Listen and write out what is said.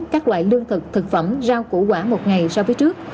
các loại lương thực thực phẩm rau củ quả một ngày so với trước